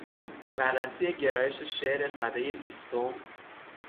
بررسی گرایش شعر سدهی بیستم